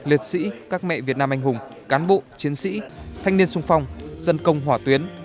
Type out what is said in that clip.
liệt sĩ các mẹ việt nam anh hùng cán bộ chiến sĩ thanh niên sung phong dân công hỏa tuyến